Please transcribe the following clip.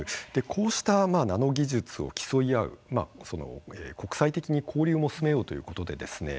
こうしたナノ技術を競い合う国際的に交流を進めようということでですね